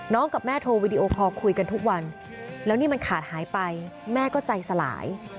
กับแม่โทรวิดีโอคอลคุยกันทุกวันแล้วนี่มันขาดหายไปแม่ก็ใจสลาย